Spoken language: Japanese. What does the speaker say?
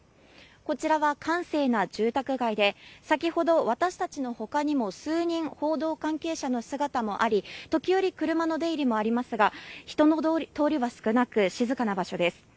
こちらは閑静な住宅街で先ほど私たちの他にも数人、報道関係者の姿もあり時折、車の出入りはありますが人の通りは少なく静かな場所です。